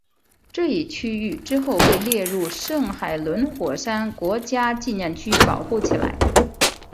这一区域之后被列入圣海伦火山国家纪念区保护起来。